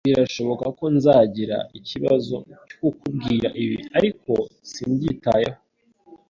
Birashoboka ko nzagira ikibazo cyo kukubwira ibi, ariko simbyitayeho